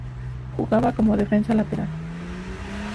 Jugaba como defensa lateral.